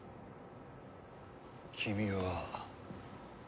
君は。